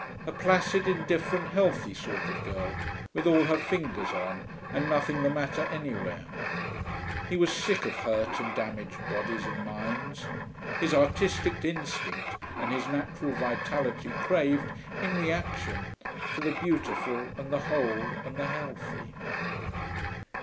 A placid, indifferent, healthy sort of girl, with all her fingers on and nothing the matter anywhere. He was sick of hurt and damaged bodies and minds; his artistic instinct and his natural vitality craved, in reaction, for the beautiful and the whole and the healthy....